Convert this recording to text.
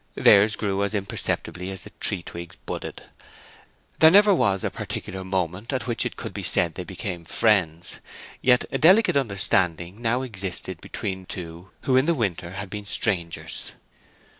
Theirs grew as imperceptibly as the tree twigs budded. There never was a particular moment at which it could be said they became friends; yet a delicate understanding now existed between two who in the winter had been strangers.